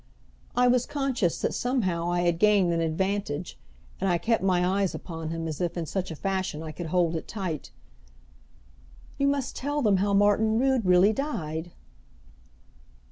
I was conscious that somehow I had gained an advantage, and I kept my eyes upon him as if in such a fashion I could hold it tight. "You must tell them how Martin Rood really died."